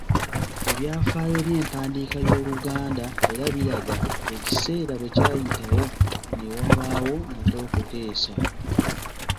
Ebyafaayo by’empandiika y’oluganda era biraga ekiseera bwe kyayitawo, ne wabaawo nate okuteesa .